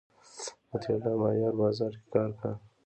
مطیع الله مایار بازار کی کار کا